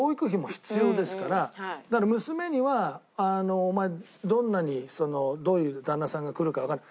だから娘には「お前どんなに」。どういう旦那さんが来るかわかんない。